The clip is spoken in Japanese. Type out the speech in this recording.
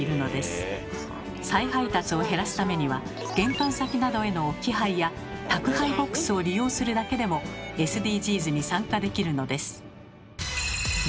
再配達を減らすためには玄関先などへの置き配や宅配ボックスを利用するだけでもＳＤＧｓに参加できるのです。